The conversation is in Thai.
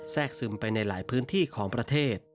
กซึมไปในหลายพื้นที่ของประเทศ